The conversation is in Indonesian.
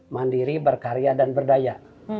mandiri berkarya dan berdaya